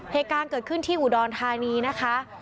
เหตุการณ์เกิดขึ้นที่อุดรธานีนะคะ